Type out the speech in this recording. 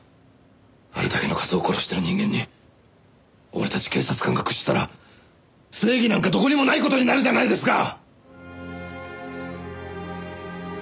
あれだけの数を殺してる人間に俺たち警察官が屈したら正義なんかどこにもない事になるじゃないですか！